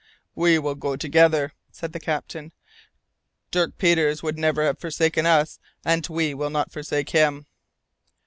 "We will go together," said the captain. "Dirk Peters would never have forsaken us, and we will not forsake him."